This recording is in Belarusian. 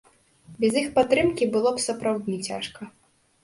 Без іх падтрымкі было б сапраўдны цяжка.